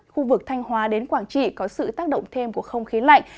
khu vực thanh hóa đến quảng trị có sự tác động thêm của không khí lạnh